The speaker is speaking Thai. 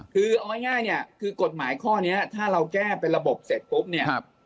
คือเอาง่ายเนี่ยคือกฎหมายข้อนี้ถ้าเราแก้เป็นระบบเสร็จปุ๊บเนี่ย